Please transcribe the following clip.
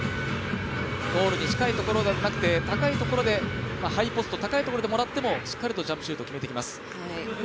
ゴールに近いところではなくハイポスト、高いところでもらってもしっかりとジャンプシュートを決めてきます。